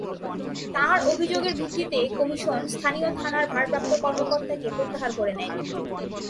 তাঁর অভিযোগের ভিত্তিতে কমিশন স্থানীয় থানার ভারপ্রাপ্ত কর্মকর্তাকে প্রত্যাহার করে নেয়।